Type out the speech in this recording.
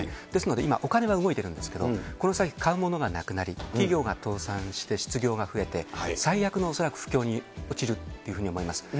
ですので今、お金は動いてるんですけど、この先、買うものがなくなり、企業が倒産して失業が増えて、最悪の恐らく不況に陥るっていうふうに思います。